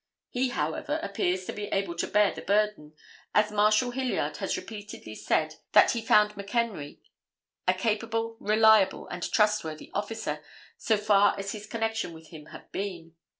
He, however, appears to be able to bear the burden, as Marshal Hilliard has repeatedly said that he found McHenry a capable, reliable and trustworthy, officer so far as his connection with him had been.